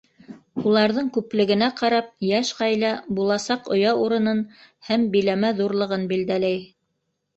Уларҙың күплегенә ҡарап, йәш ғаилә буласаҡ оя урынын һәм биләмә ҙурлығын билдәләй.